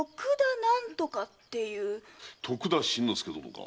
徳田新之助殿か？